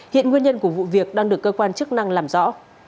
hiện nguyên nhân của vụ việc đang được cơ quan chức năng làm rõ